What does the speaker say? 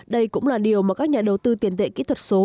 đây cũng là điều mà các nhà đầu tư tiền tệ kỹ thuật số